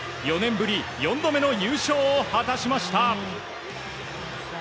４年ぶり４度目の優勝を果たしました。